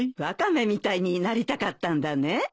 ワカメみたいになりたかったんだね。